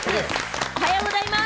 おはようございます。